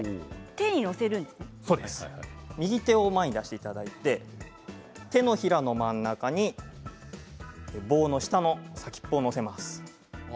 右手を前に出していただいて手のひらの真ん中に棒の下の先っぽを乗せます。